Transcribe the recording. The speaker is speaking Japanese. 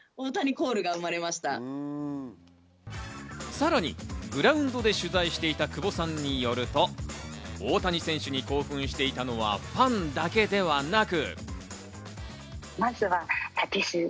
さらにグラウンドで取材していた久保さんによると、大谷選手に興奮していたのはファンだけではなく。